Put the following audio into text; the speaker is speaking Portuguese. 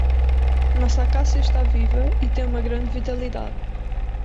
Nossa acácia está viva e tem uma grande vitalidade.